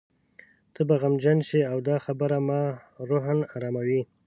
ته به غمجن شې او دا خبره ما روحاً اراموي.